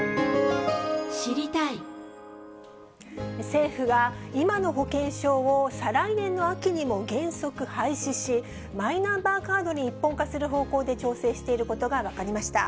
政府が、今の保険証を再来年の秋にも原則廃止し、マイナンバーカードに一本化する方向で調整していることが分かりました。